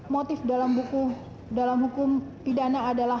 motif dalam hukum pidana adalah